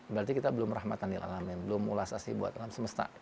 berarti kita belum rahmatanil alamin belum ulas asli buat alam semesta